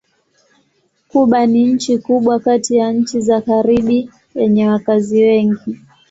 Kuba ni nchi kubwa kati ya nchi za Karibi yenye wakazi wengi.